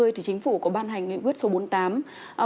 thì chính phủ có ban hành nghị quyết số bốn mươi tám